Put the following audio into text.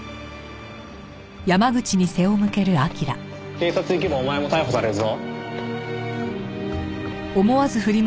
警察行けばお前も逮捕されるぞ。